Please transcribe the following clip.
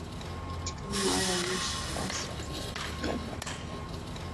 Katika moyo wa nchi Pass ya Kirkstone